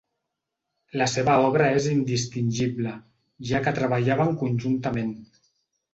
La seva obra és indistingible, ja que treballaven conjuntament.